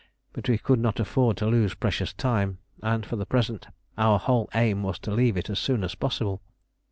But we could not afford to lose precious time, and for the present our whole aim was to leave it as soon as possible.